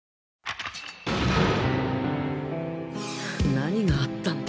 何があったんだ